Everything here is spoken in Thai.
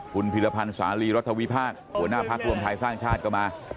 คุณพิรพันธ์สาลีรัฐวิพากษ์หัวหน้าพักรวมไทยสร้างชาติก็มา